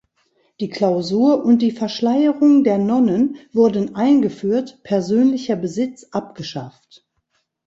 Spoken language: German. Die Klausur und die Verschleierung der Nonnen wurden eingeführt, persönlicher Besitz abgeschafft.